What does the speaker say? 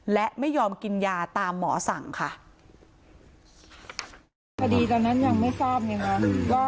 และไม่ยอมกินยาตามหมอสั่งค่ะตอนนั้นยังไม่ทราบไงว่า